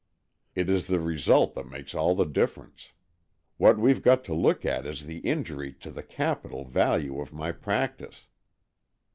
It is the result that makes all the difference. What we've got to look at is the injury to the capital value of my practice.